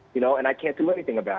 dan aku tidak bisa melakukan apa apa